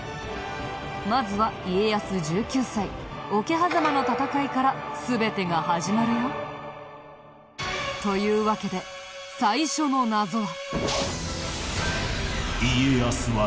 まずは家康１９歳桶狭間の戦いから全てが始まるよ。というわけで最初の謎は。